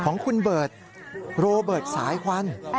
ของคุณเบิร์ตโรเบิร์ตสายควัน